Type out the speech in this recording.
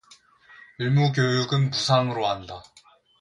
의무교육은 무상으로 한다.